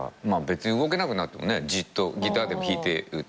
別に動けなくなってもねじっとギターでも弾いて。